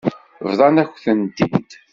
Bḍant-akent-t-id.